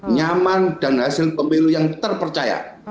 nyaman dan hasil pemilu yang terpercaya